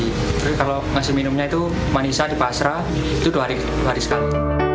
jadi kalau ngasih minumnya itu manisah di pasrah itu dua hari sekali